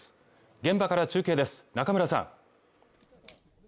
現場から中継です中村さん